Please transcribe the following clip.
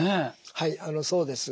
はいあのそうです。